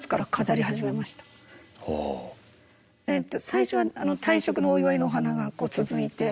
最初は退職のお祝いのお花がこう続いて。